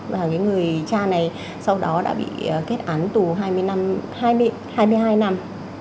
và những người cha này sau đó đã bị kết án tù hai mươi hai năm